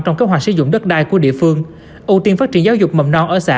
trong kế hoạch sử dụng đất đai của địa phương ưu tiên phát triển giáo dục mầm non ở xã